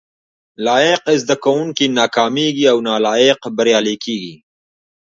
لايق زده کوونکي ناکامېږي او نالايق بريالي کېږي